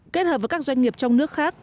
kết hợp với các doanh nghiệp trong nước khác